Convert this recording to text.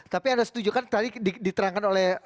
tapi anda setuju kan tadi diterangkan oleh